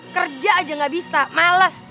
kerja aja gak bisa males